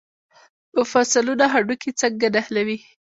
مفصلونه هډوکي څنګه نښلوي؟